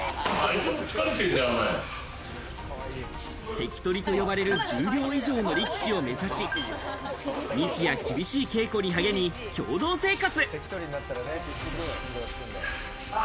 関取と呼ばれる十両以上の力士を目指し、日夜、厳しい稽古に励み、共同生活。